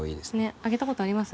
あげたことあります？